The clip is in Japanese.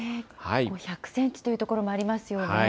１００センチという所もありますよね。